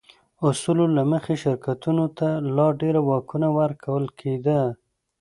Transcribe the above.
اصولو له مخې شرکتونو ته لا ډېر واکونه ورکول کېده.